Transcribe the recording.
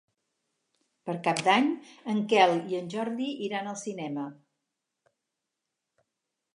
Per Cap d'Any en Quel i en Jordi iran al cinema.